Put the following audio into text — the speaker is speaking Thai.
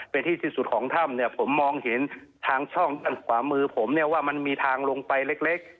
เป็นที่ที่สุดของถ้ำเนี่ยผมมองเห็นทางช่องขวามือผมเนี่ยว่ามันมีทางลงไปเล็ก